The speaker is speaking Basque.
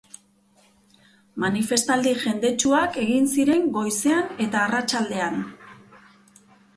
Manifestaldi jendetsuak egin ziren goizean eta arratsaldean.